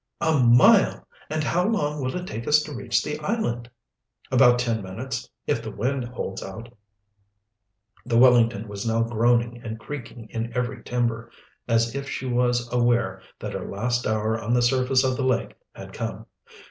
"A mile! And how long will it take us to reach the island?" "About ten minutes, if the wind holds out." The Wellington was now groaning and creaking in every timber, as if she was aware that her last hour on the surface of the lake had come.